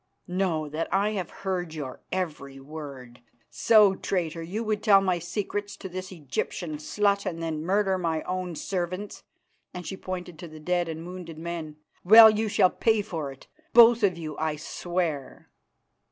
"Know that I have heard your every word. So, traitor, you would tell my secrets to this Egyptian slut and then murder my own servants," and she pointed to the dead and wounded men. "Well, you shall pay for it, both of you, that I swear."